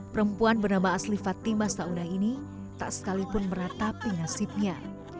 perempuan bernama asli fatima sauna ini tak sekalipun meratapi nasibnya